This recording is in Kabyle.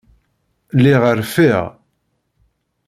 Lliɣ rfiɣ.